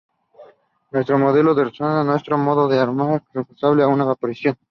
Nuestro modo de razonar, nuestro modo de amar corresponde a una apropiación.